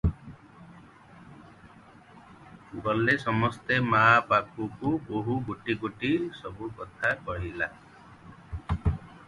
ଗଲେ ସମସ୍ତେ ମା'ଙ୍କ ପଖକୁ; ବୋହୂ ଗୋଟି ଗୋଟି କରି ସବୁ କଥା କହିଲା ।